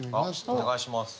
お願いします。